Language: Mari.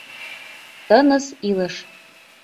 Тыныс илыш